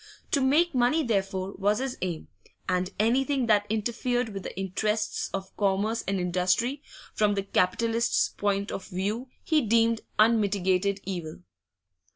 To make money, therefore, was his aim, and anything that interfered with the interests of commerce and industry from the capitalist's point of view he deemed unmitigated evil.